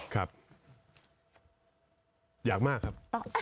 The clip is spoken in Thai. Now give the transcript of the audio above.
ครับอยากมากครับ